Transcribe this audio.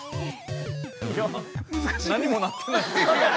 ◆いや、何もなってない。